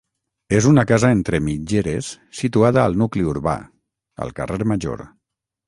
És una casa entre mitgeres situada al nucli urbà, al carrer Major.